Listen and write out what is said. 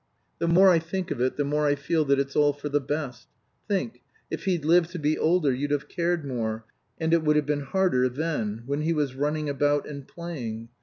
The more I think of it the more I feel that it's all for the best. Think if he'd lived to be older you'd have cared more, and it would have been harder then when he was running about and playing.